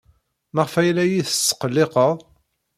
Maɣef ay la iyi-tesqelliqed?